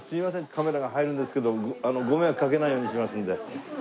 カメラが入るんですけどもご迷惑かけないようにしますんで。